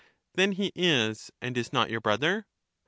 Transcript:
Then he is and is not your brother.